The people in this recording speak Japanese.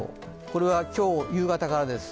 これは今日夕方からです。